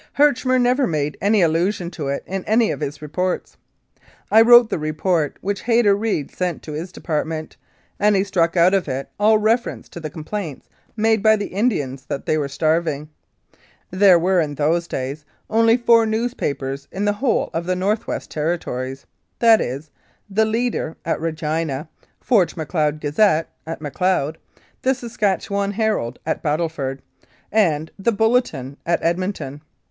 Herchmer never made any allusion to it in any of his reports. I wrote the report which Hayter Reed sent to his department, and he struck out of it all reference to the complaints made by the Indians that they were starving. There were, in those days, only four newspapers in the whole of the North West Territories, viz. The Leader at Regina, Fort Macleod Gazette at Macleod, The Saskatchewan Herald at Battleford, and The Bulletin at Edmonton.